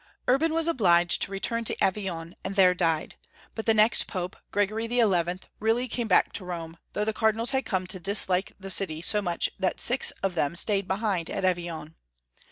Urban was obliged to return to Avignon, and there died; but the next Pope, Gregory XI., really came back to Rome, though the Cardinals had come to dislike the city so much that six of them stayed behind at Avignon.